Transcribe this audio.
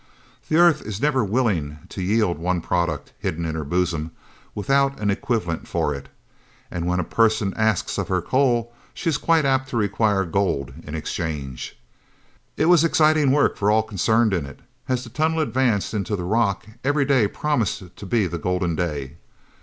The earth is never willing to yield one product, hidden in her bosom, without an equivalent for it. And when a person asks of her coal, she is quite apt to require gold in exchange. It was exciting work for all concerned in it. As the tunnel advanced into the rock every day promised to be the golden day.